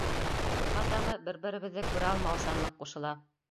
Уға тағы бер-беребеҙҙе күрә алмаусанлыҡ ҡушыла.